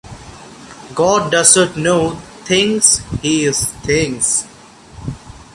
God doesn’t know things, He is things.